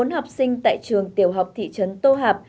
bốn học sinh tại trường tiểu học thị trấn tô hạp